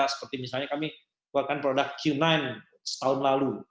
seperti misalnya kami buatkan produk q sembilan setahun lalu